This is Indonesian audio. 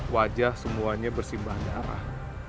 wajah semuanya bersibah darah